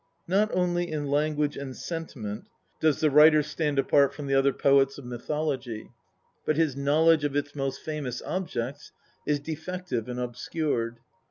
Not only in language and sentiment does the writer stand apart from the other poets of mythology, but his knowledge of its most famous objects is defective and obscured.